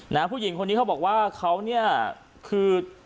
นะฮะผู้หญิงคนนี้เค้าบอกว่าเค้าเนี่ยคือ